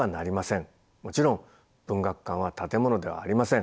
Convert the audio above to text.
もちろん文学館は建物ではありません。